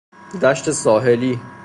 دشت ساحلی